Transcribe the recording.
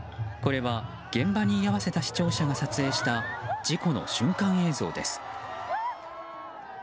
これは現場に居合わせた視聴者が撮影した事故の瞬間映像です。